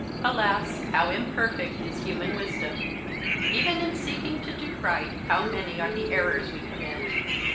Alas! how imperfect is human wisdom! Even in seeking to do right how many are the errors we commit!